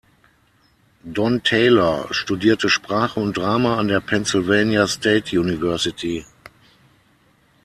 Don Taylor studierte Sprache und Drama an der Pennsylvania State University.